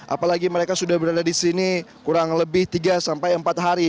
apalagi mereka sudah berada di sini kurang lebih tiga sampai empat hari